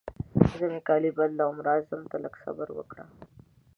زه مې کالي بدلوم، راځم ته لږ صبر وکړه.